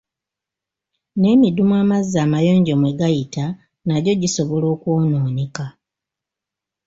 N'emidumu amazzi amayonjo mwe gayita nagyo gisobola okwonooneka.